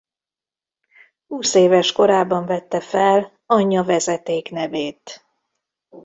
Húszéves korában vette fel anyja vezetéknevét.